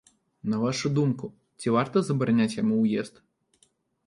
На вашую думку, ці варта забараняць яму ўезд?